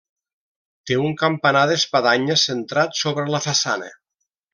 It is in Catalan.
Té un campanar d'espadanya centrat sobre la façana.